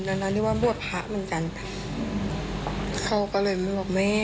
แล้วเรียกว่าบวชพะเหมือนกันเขาก็เลยมาบอกแม่